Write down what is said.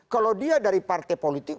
kalau dia dari partai politik